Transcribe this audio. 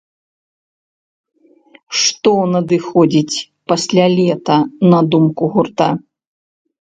Што надыходзіць пасля лета на думку гурта?